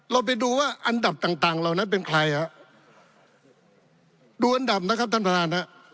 เราไปดูว่าอันดับต่างต่างเหล่านั้นเป็นใครฮะดูอันดับนะครับท่านประธานฮะ